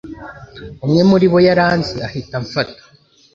umwe muri bo yaranzi ahita amfata